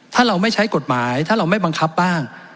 ถ้าเราไม่ใช้กฎหมายถ้าเราไม่บังคับบ้าง